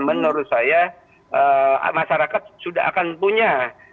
menurut saya masyarakat sudah akan punya